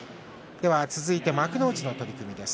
続いて幕内の取組です。